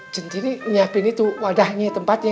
jentini nyiapin itu wadahnya tempatnya